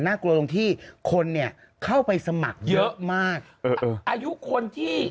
กลัวตรงที่คนเนี่ยเข้าไปสมัครเยอะมากเอออายุคนที่